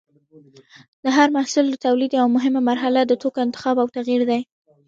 د هر محصول د تولید یوه مهمه مرحله د توکو انتخاب او تغیر دی.